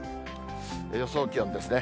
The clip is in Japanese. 予想気温ですね。